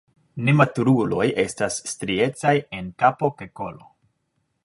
Nematuruloj estas striecaj en kapo kaj kolo.